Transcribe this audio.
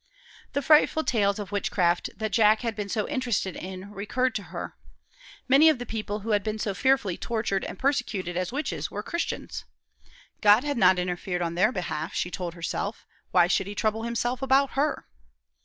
The frightful tales of witchcraft that Jack had been so interested in, recurred to her. Many of the people who had been so fearfully tortured and persecuted as witches were Christians. God had not interfered in their behalf, she told herself. Why should he trouble himself about her?